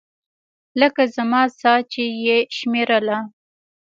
لکه زما ساه چې يې شمېرله.